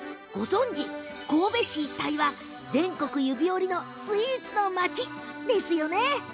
神戸市一帯は全国指折りのスイーツの街です。